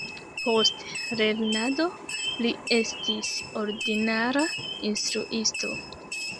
Post lernado li estis ordinara instruisto.